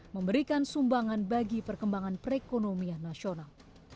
memberikan sumbangan bagi perkembangan perekonomian nasional